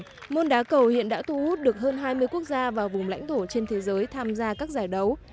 đội tuyển đá cầu việt nam đã thu hút được hơn hai mươi quốc gia vào vùng lãnh thổ trên thế giới tham gia các giải đấu